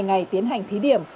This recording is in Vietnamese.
hai ngày tiến hành thí điểm